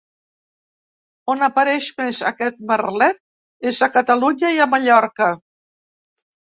On apareix més aquest merlet és a Catalunya i a Mallorca.